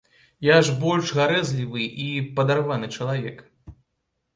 Я ж больш гарэзлівы і падарваны чалавек.